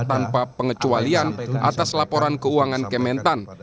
tanpa pengecualian atas laporan keuangan kementan